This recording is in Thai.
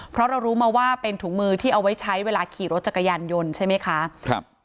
เพราะเรารู้มาว่าเป็นถุงมือที่เอาไว้ใช้เวลาขี่รถจักรยานยนต์ใช่ไหมคะครับ